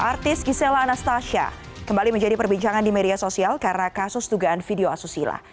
artis gisela anastasia kembali menjadi perbincangan di media sosial karena kasus dugaan video asusila